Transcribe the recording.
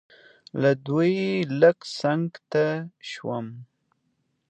له دوی لږ څنګ ته شوم.